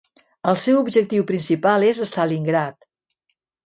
El seu objectiu principal és Stalingrad.